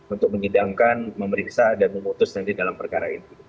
untuk menyidangkan memeriksa dan memutus nanti dalam perkara ini